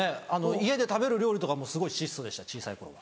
家で食べる料理とかもすごい質素でした小さい頃は。